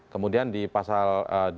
kemudian di pasal